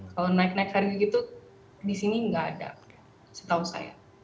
kalau naik naik harga gitu di sini nggak ada setahu saya